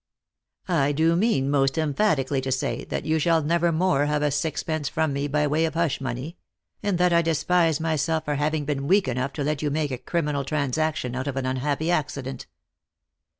" I do mean most emphatically to say that you shall never more have a sixpence from me by way of hush money ; and that I despise myself for having been weak enough to let you make a criminal transaction out of an unhappy accident."